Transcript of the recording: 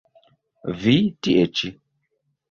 Vi, tie ĉi!